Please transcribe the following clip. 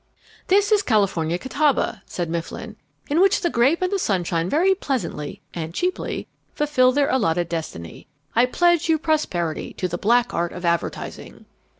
"This is California catawba," said Mifflin, "in which the grape and the sunshine very pleasantly (and cheaply) fulfil their allotted destiny. I pledge you prosperity to the black art of Advertising!"